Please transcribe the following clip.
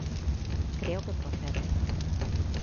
Creo que procede.